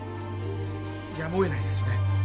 やむをえないですね。